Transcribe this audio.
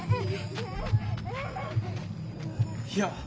いや。